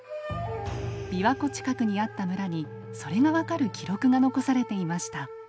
びわ湖近くにあった村にそれが分かる記録が残されていました。